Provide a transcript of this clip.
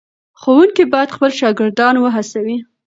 ښوونکي باید خپل شاګردان وهڅوي.